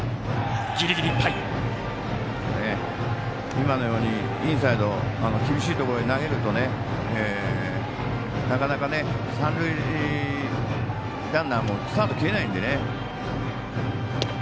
今のように、インサイド厳しいところに投げるとなかなか、三塁ランナーもスタート切れないんでね。